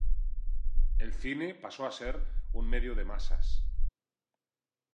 El cine pasó a ser un medio de masas.